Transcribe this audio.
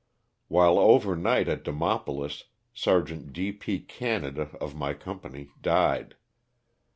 While over night at Demopolis, Sergeant D. P. Canada, of my company, died.